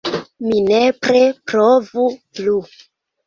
Mi nepre provu plu!